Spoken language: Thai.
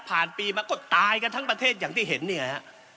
ปีมาก็ตายกันทั้งประเทศอย่างที่เห็นเนี่ยฮะ